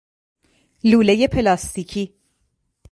لولهی پلاستیکی